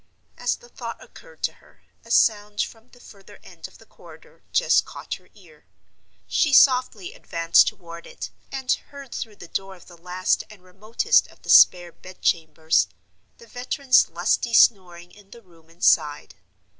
As the thought occurred to her, a sound from the further end of the corridor just caught her ear. She softly advanced toward it, and heard through the door of the last and remotest of the spare bed chambers the veteran's lusty snoring in the room inside.